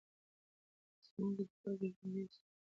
په اصفهان کې د خلکو ژوند ډېر سخت شوی و.